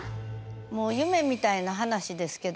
もう夢みたいな話ですけどね